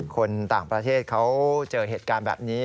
คนต่างประเทศเขาเจอเหตุการณ์แบบนี้